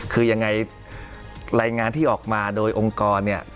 คือยังไงรายงานที่ออกมาโดยองค์กรเนี่ย